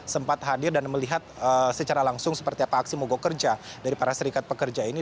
sempat hadir dan melihat secara langsung seperti apa aksi mogok kerja dari para serikat pekerja ini